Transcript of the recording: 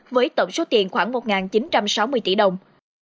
với tổng số tiền khoảng một chín trăm sáu mươi tỷ đồng